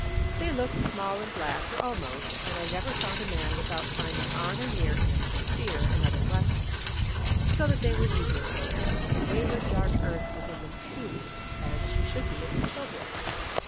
They looked small and black, or almost; and I never found a man without finding on or near him a spear and other weapons: so that they were eager folk, and the wayward dark earth was in them, too, as she should be in her children.